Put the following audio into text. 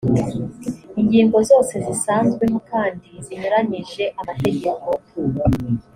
ingingo zose zisanzweho kandi zinyuranyije namategeko